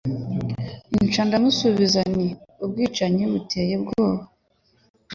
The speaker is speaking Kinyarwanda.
Nca ndamusubiza nti Ubwicanyi buteye ubwoba